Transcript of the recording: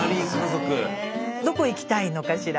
どこ行きたいのかしら？